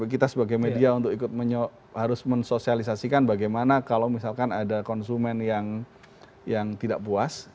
kita sebagai media untuk ikut harus mensosialisasikan bagaimana kalau misalkan ada konsumen yang tidak puas